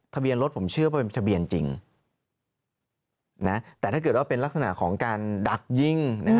ทะเบียนรถผมเชื่อว่าเป็นทะเบียนจริงแต่ถ้าเกิดว่าเป็นลักษณะของการดักยิง